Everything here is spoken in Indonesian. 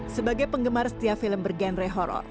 sebagai penggemar setiap film bergenre horror